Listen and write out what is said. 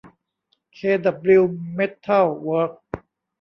เค ดับบลิว เม็ททัล เวิร์ค